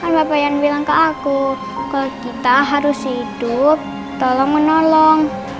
bapak yang bilang ke aku ke kita harus hidup tolong menolong